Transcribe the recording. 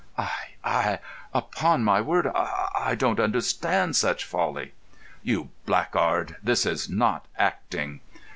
"I—I—— Upon my word, I—don't understand such folly." "You blackguard! This is not acting."